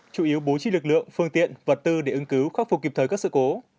chủ yếu bố trí lực lượng phương tiện vật tư để ứng cứu khắc phục kịp thời các sự cố